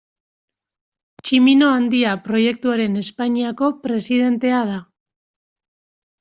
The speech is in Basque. Tximino Handia Proiektuaren Espainiako presidentea da.